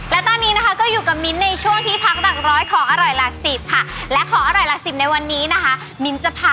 และตอนนี้นะคะก็อยู่กับมิ้นในช่วงที่พักหลักร้อยของอร่อยหลักสิบค่ะและของอร่อยหลักสิบในวันนี้นะคะ